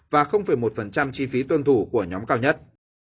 và một chi phí tuân thủ của nhóm cao nhất